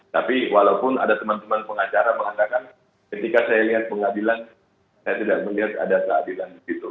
tapi walaupun ada teman teman pengacara mengatakan ketika saya lihat pengadilan saya tidak melihat ada keadilan di situ